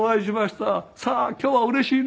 さあ今日はうれしいね。